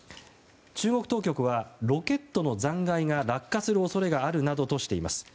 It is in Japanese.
中国当局はロケットの残骸が落下する恐れがあるなどとしています。